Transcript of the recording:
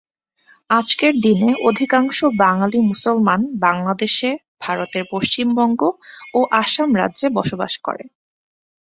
আজকের দিনে অধিকাংশ বাঙালি মুসলমান বাংলাদেশে, ভারতের পশ্চিমবঙ্গ ও আসাম রাজ্যে বসবাস করে।